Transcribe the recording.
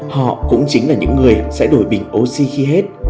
họ cũng chính là những người sẽ đổi bình oxy khi hết